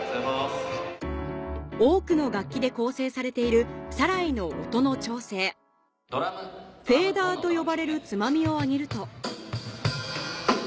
多くの楽器で構成されている『サライ』の音の調整フェーダーと呼ばれるつまみを上げると